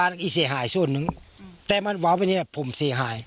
อีกเสียหายส่วนหนึ่งแต่มันวาวไปเนี้ยผมเสียหาย